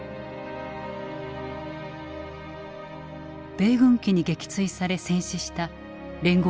米軍機に撃墜され戦死した聯合